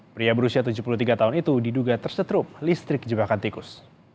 pria berusia tujuh puluh tiga tahun itu diduga tersetrup listrik jebakan tikus